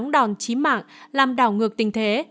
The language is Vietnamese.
đoàn trí mạng làm đảo ngược tình thế